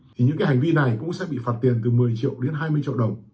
thì những cái hành vi này cũng sẽ bị phạt tiền từ một mươi triệu đến hai mươi triệu đồng